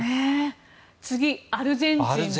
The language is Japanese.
次、アルゼンチンですね。